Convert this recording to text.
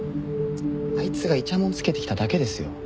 あいつがいちゃもんつけてきただけですよ。